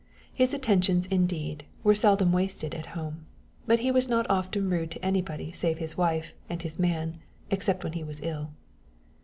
His attentions, indeed, were seldom wasted at home; but he was not often rude to anybody save his wife and his man, except when he was ill.